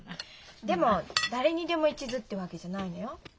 でも誰にでも一途ってわけじゃないのよ。